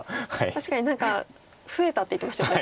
確かに何か「増えた」って言ってましたよね